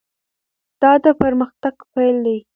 دا د پرمختګ پیل دی.